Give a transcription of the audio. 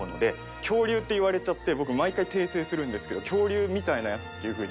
恐竜って言われちゃって僕毎回訂正するんですけど恐竜みたいなやつっていう風に。